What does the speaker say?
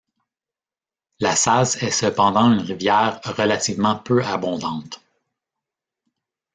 La Sals est cependant une rivière relativement peu abondante.